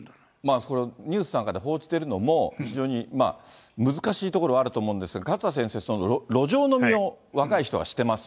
それ、ニュースなんかで報じてるのも、非常に難しいところはあると思うんですが、勝田先生、路上飲みを若い人がしてます。